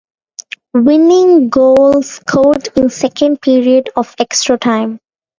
Winning goal scored in second period of extra time.